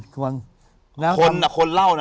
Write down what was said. คนเล่า